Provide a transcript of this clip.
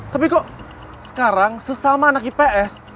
tapi kok sekarang sesama anak ips